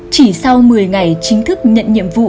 chỉ sau một mươi ngày chính thức nhận nhiệm vụ